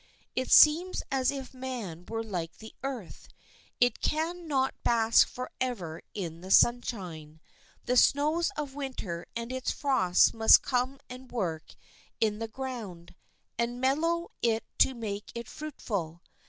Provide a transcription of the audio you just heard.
It seems as if man were like the earth. It can not bask forever in the sunshine. The snows of Winter and its frosts must come and work in the ground, and mellow it to make it fruitful.